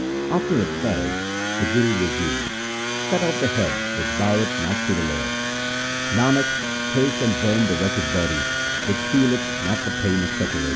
After a pause the Guru resumed :— Cut off the head which boweth not to the Lord. Nanak, 1 take and burn the wretched body 2 which feeleth not the pain of separation.